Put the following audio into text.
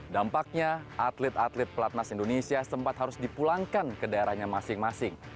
dampaknya atlet atlet pelatnas indonesia sempat harus dipulangkan ke daerahnya masing masing